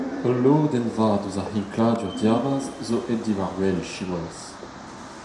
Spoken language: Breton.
Ul lodenn vat eus ar c'hinkladur diabarzh zo aet diwar wel siwazh.